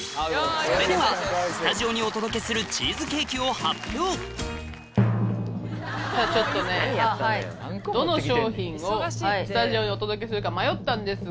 それではさぁちょっとねどの商品をスタジオにお届けするか迷ったんですが。